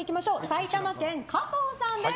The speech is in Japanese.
埼玉県、加藤さんです。